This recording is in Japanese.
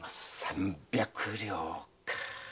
三百両か。